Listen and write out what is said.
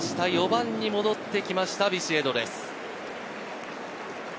４番に戻ってきましたビシエドです。